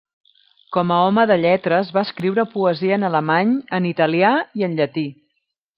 Com a home de lletres, va escriure poesia en alemany, en italià i en llatí.